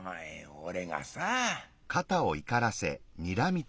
俺がさ」。